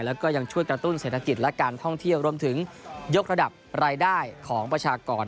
แล้วก็ยังช่วยกระตุ้นเศรษฐกิจและการท่องเที่ยวรวมถึงยกระดับรายได้ของประชากร